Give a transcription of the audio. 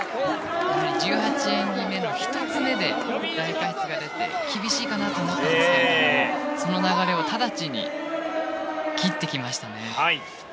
１８演技目の１つ目で大過失が出て厳しいかなと思ったんですがその流れを直ちに切ってきましたね。